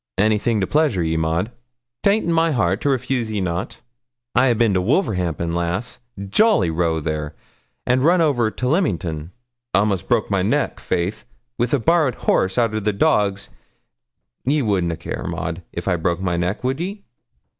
'Anything to pleasure ye, Maud, 'tain't in my heart to refuse ye nout. I a'bin to Wolverhampton, lass jolly row there and run over to Leamington; a'most broke my neck, faith, wi' a borrowed horse arter the dogs; ye would na care, Maud, if I broke my neck, would ye?